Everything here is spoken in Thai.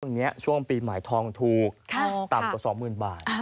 วันนี้ช่วงปีใหม่ทองถูกต่ำกว่าสองหมื่นบาท